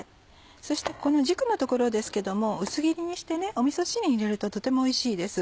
そしてこの軸の所ですけども薄切りにしてみそ汁に入れるととてもおいしいです。